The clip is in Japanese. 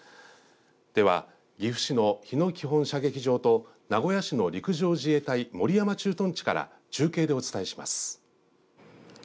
では岐阜市の日野基本射撃場と名古屋市の陸上自衛隊守山駐屯地から中継でお伝えします。